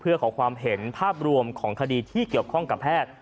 เพื่อขอความเห็นภาพรวมของคดีที่เกี่ยวข้องกับแพทย์